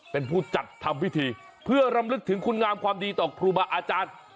เป็นผู้จัดทำพิธีเพื่อรำลึกถึงคุณงามความดีต่อครูบาอาจารย์